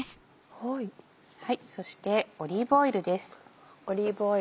そしてオリーブオイルです。